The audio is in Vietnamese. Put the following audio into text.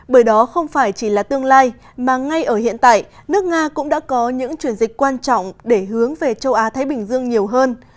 bởi đó không phải chỉ là tương lai mà ngay ở hiện tại nước nga cũng đã có những chuyển dịch quan trọng để hướng về châu á thái bình dương nhiều hơn